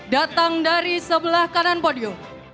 datang dari sebelah kanan podium